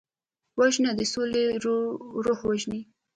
وژنه د سولې روح وژني